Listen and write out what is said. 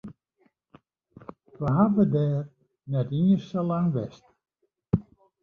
We hawwe dêr net iens sa lang west.